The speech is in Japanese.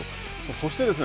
そしてですね